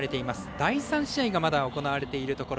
第３試合がまだ行われているところ。